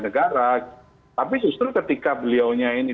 negara tapi justru ketika beliaunya ini